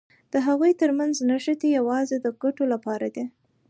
د هغوی تر منځ نښتې یوازې د ګټو لپاره دي.